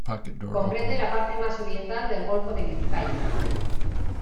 Comprende la parte más oriental del golfo de Vizcaya.